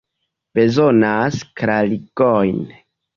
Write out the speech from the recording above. Bezonas klarigojn?